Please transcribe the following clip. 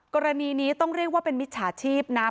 กรณีนี้ต้องเรียกว่าเป็นมิจฉาชีพนะ